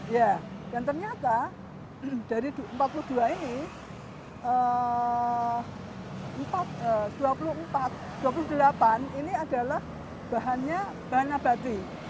ya dan ternyata dari empat puluh dua ini dua puluh delapan ini adalah bahannya bahan nabati